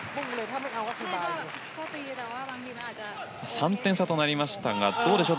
３点差となりましたがどうでしょう